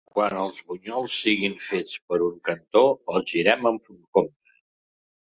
Quan els bunyols siguin fets per un cantó, els girem amb compte.